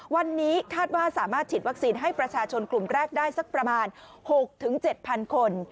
วันนี้คาดว่าสามารถฉีดวัคซีนให้ประชาชนกลุ่มแรกได้สักประมาณ๖๗๐๐คน